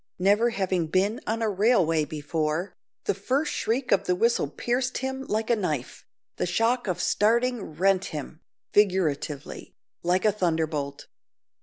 Never having been on a railway before, the first shriek of the whistle pierced him like a knife, the shock of starting rent him, (figuratively), like a thunderbolt.